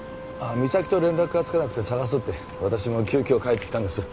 実咲と連絡がつかなくて捜すって私も急きょ帰ってきたんです